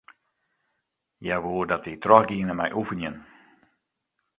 Hja woe dat wy trochgiene mei oefenjen.